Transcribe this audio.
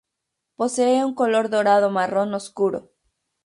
Posee un color dorado marrón oscuro.